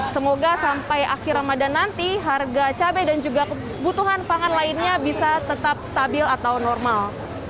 semoga sampai akhir ramadan nanti harga cabai dan juga kebutuhan pangan lainnya bisa tetap stabil atau normal